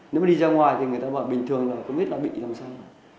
nếu mà đi ra ngoài thì người ta bảo bình thường là có biết là bị làm sao